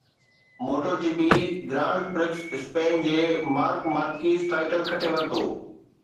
MotoGP grand prix Spain جي Marc Marquez title کٽي ورتو